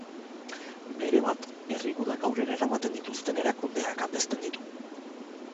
Berebat, herri gudak aurrera eramaten dituzten erakundeak aldezten ditu.